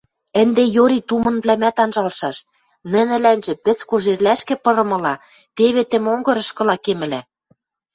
Ӹнде йори тумынвлӓмӓт анжалшаш, нӹнӹлӓнжӹ пӹц кожерлӓшкӹ пырымыла, теве тӹ монгырышкыла кемӹлӓ.